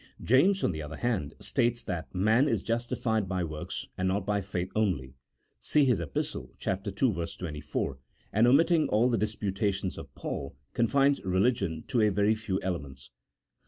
James, on the other hand, states that man is justified by works, and not by faith only (see his Epistle, ii. 24), and omitting all the disputations of Paul, confines religion to a very few elements.